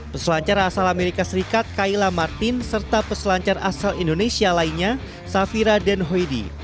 peselancar asal amerika serikat kayla martin serta peselancar asal indonesia lainnya safira denhoidi